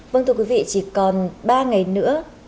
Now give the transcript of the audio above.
vâng thưa quý vị chỉ còn ba ngày nữa